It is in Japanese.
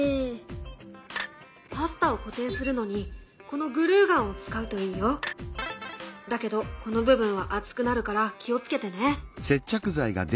パスタを固定するのにこのグルーガンを使うといいよ。だけどこの部分は熱くなるから気を付けてね。